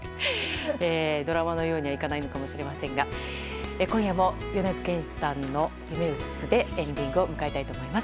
ドラマのようにはいかないのかもしれませんが今夜も米津玄師さんの「ゆめうつつ」でエンディングを迎えたいと思います。